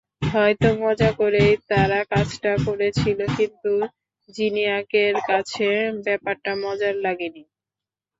হয়তো মজা করেই তারা কাজটা করেছিল, কিন্তু জিনিয়াকের কাছে ব্যাপারটা মজার লাগেনি।